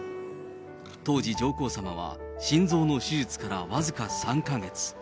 当時、上皇さまは心臓の手術から僅か３か月。